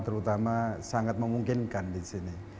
terutama sangat memungkinkan di sini